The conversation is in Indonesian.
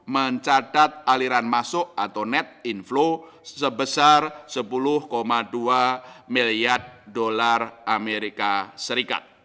mencatat aliran masuk atau net inflow sebesar usd sepuluh dua miliar